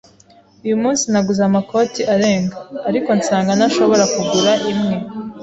Uyu munsi naguze amakoti arenga, ariko nsanga ntashobora kugura imwe.